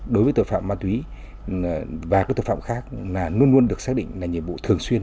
đối với tội phạm ma túy và các tội phạm khác là luôn luôn được xác định là nhiệm vụ thường xuyên